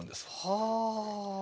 はあ。